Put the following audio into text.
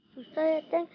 susah ya teng